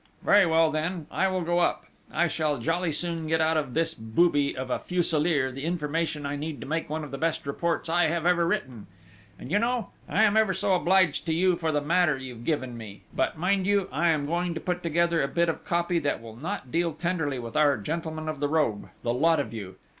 "Very well then, I will go up. I shall jolly soon get out of this booby of a Fuselier the information I need to make one of the best reports I have ever written. And you know, I am ever so obliged to you for the matter you've given me! But, mind you, I am going to put together a bit of copy that will not deal tenderly with our gentlemen of the robe the lot of you!